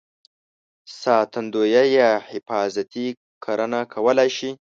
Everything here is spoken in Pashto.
ساتندویه یا حفاظتي کرنه کولای شي.